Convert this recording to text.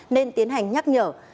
nên tiến hành nhắc nhở